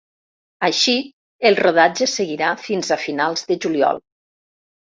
Així, el rodatge seguirà fins a finals de juliol.